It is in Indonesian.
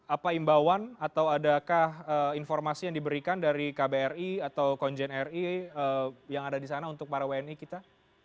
apa imbauan atau adakah informasi yang diberikan dari kbri atau konjen ri yang ada di sana untuk para wni kita